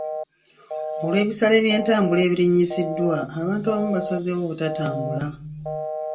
Olw'ebisale by'entambula ebirinnyisiddwa, abantu abamu basazeewo obutatambula.